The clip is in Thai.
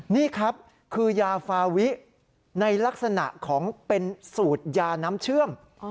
นี่ครับคือยาฟาวิในลักษณะของเป็นสูตรยาน้ำเชื่อม